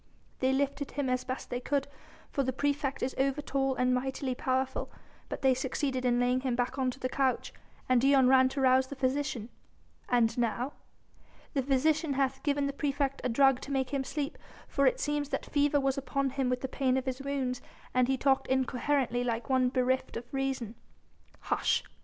"They lifted him as best they could; for the praefect is over tall and mightily powerful. But they succeeded in laying him back on to the couch, and Dion ran to rouse the physician." "And now?" "The physician hath given the praefect a drug to make him sleep, for it seems that fever was upon him with the pain of his wounds and he talked incoherently like one bereft of reason." "Hush!..."